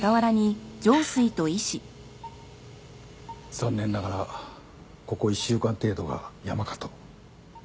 残念ながらここ１週間程度がヤマかと。